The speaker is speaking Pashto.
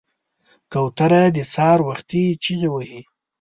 کوتره د سهار وختي چغې وهي.